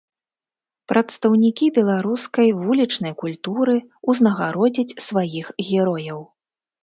Прадстаўнікі беларускай вулічнай культуры ўзнагародзяць сваіх герояў.